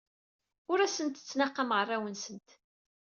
Ur asent-ttnaqameɣ arraw-nsent.